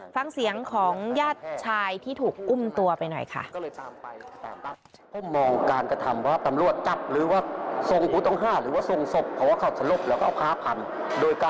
ฟังเสียงของญาติชายที่ถูกอุ้มตัวไปหน่อยค่ะ